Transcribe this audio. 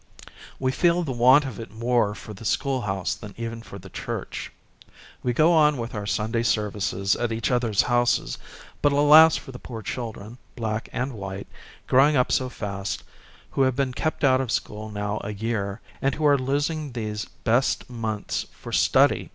We feel the want of it more for the schooihouse than even for the church. We go on with our Sunday services at each other's houses ; but alas for the poor children, black and white, growing up so fast, who have been kept out of school now a year, and who are iosing these best months for study